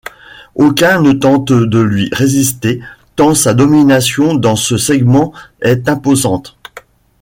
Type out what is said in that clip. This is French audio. Aucun ne tente de lui résister tant sa domination dans ce segment est imposante.